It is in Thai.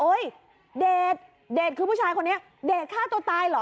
เดชเดชคือผู้ชายคนนี้เดชฆ่าตัวตายเหรอ